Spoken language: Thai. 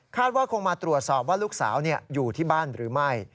ว่าคงมาตรวจสอบว่าลูกสาวอยู่ที่บ้านหรือไม่